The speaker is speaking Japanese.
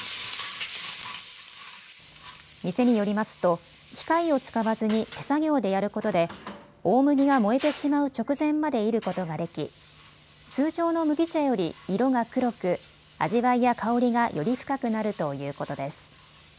店によりますと機械を使わずに手作業でやることで大麦が燃えてしまう直前までいることができ通常の麦茶より色が黒く、味わいや香りがより深くなるということです。